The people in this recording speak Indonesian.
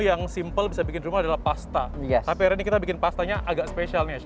yang simple bisa bikin rumah adalah pasta tapi hari ini kita bikin pastanya agak spesial nih